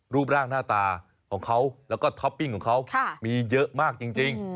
รูปร่างหน้าตาของเขาแล้วก็ท็อปปิ้งของเขามีเยอะมากจริง